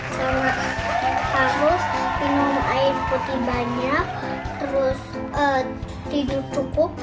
terus harus minum air putih banyak terus tidur cukup